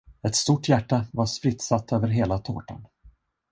Ett stort hjärta var spritsat över hela tårtan.